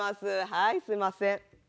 はいすいません。